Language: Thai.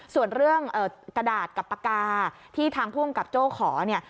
ส่วนเรื่องกระดาษกับปากกาที่ทางภูมิกับโจ้ขอเนี่ย